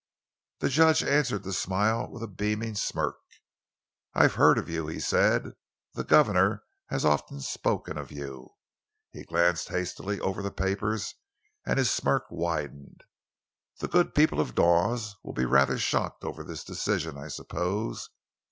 The judge answered the smile with a beaming smirk. "I've heard of you," he said; "the governor has often spoken of you." He glanced hastily over the papers, and his smirk widened. "The good people of Dawes will be rather shocked over this decision, I suppose.